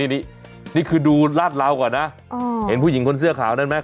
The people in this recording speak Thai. นี่คือดูลาดราวก่อนนะเห็นผู้หญิงคนเสื้อขาวนั้นไหม